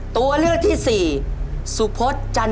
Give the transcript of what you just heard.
ตัวเลือกที่สาม